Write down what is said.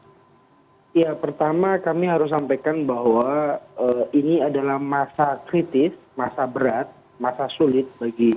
ya pertama kami harus sampaikan bahwa ini adalah masa kritis masa berat masa sulit bagi